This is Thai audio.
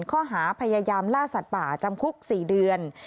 ข้อหาพยายามล่าสัตว์ป่าจำคุก๔เดือน